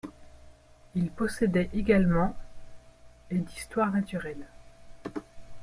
Il possédait également et d'histoire naturelle.